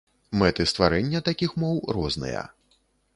Мэты стварэння такіх моў розныя.